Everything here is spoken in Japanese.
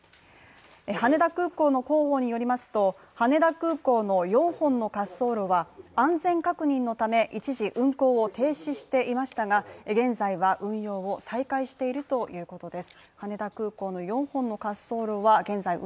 羽田空港の広報によりますと羽田空港の４本の滑走路は安全確認のため一時、運航を停止していましたが、現在は運用を再開しているということです。